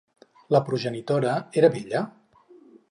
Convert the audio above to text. La progenitora era vella?